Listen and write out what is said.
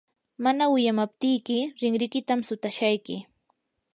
mana wiyamaptiyki rinrikitam sutashayki.